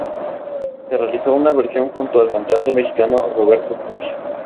Se realizó una versión junto al cantante mexicano Roberto Tapia.